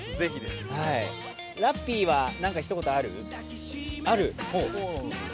ラッピーは何か一言ある？